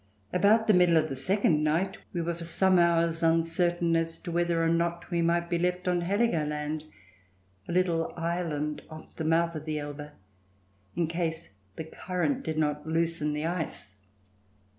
About the middle of the second night we were for some hours uncertain as to whether or not we might be left on Heligoland, a little island off the mouth of the Elbe, in case the current did not loosen the ice.